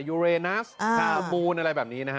ยูเรนัสฮามูลอะไรแบบนี้นะฮะ